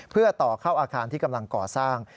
เพื่อต่อเข้าอาคารที่กำลังก่อสร้าง